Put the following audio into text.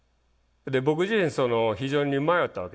僕自身非常に迷ったわけです。